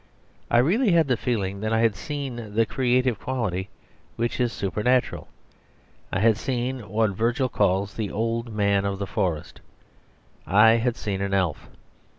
I really had the feeling that I had seen the creative quality; which is supernatural. I had seen what Virgil calls the Old Man of the Forest: I had seen an elf.